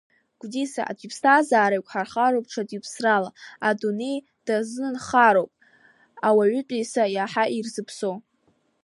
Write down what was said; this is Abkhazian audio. Гәдиса аӡә иԥсҭазаара еиқәхароуп ҽаӡә иԥсрала, адунеи дазынхароуп ауаатәыҩса иаҳа ирзаԥсоу.